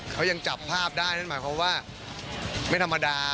เขายังจับภาพได้นั่นหมายความว่าไม่ธรรมดา